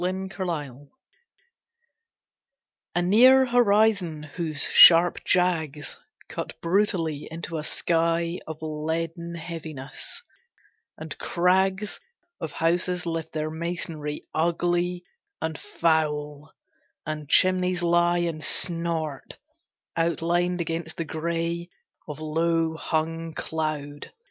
New York at Night A near horizon whose sharp jags Cut brutally into a sky Of leaden heaviness, and crags Of houses lift their masonry Ugly and foul, and chimneys lie And snort, outlined against the gray Of lowhung cloud.